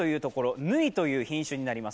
ヌイという品種になります。